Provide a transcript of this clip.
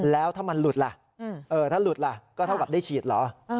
แล้วถ้ามันหลุดล่ะถ้าหลุดล่ะก็เท่ากับได้ฉีดเหรอ